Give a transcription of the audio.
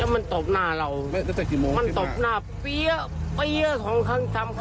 มันตบหน้าเรา